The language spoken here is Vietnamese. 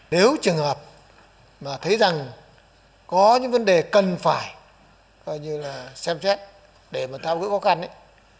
nếu trường hợp mà thấy rằng có những vấn đề cần phải coi như là xem xét để mà thao gỡ khó khăn ấy